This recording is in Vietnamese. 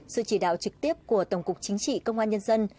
sự chỉ đạo trực tiếp của tổng cục chính trị công an nhân dân